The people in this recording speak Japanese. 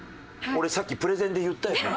俺さっきプレゼンで言ったよね！？